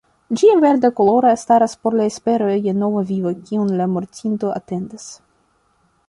Ĝia verda koloro staras por la espero je nova vivo kiun la mortinto atendas.